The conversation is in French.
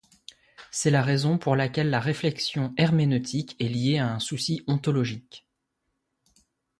C'est la raison pour laquelle la réflexion herméneutique est liée à un souci ontologique.